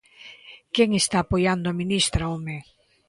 ¡Quen está apoiando a ministra, home!